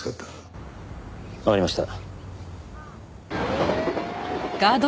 わかりました。